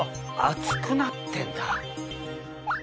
厚くなってんだ。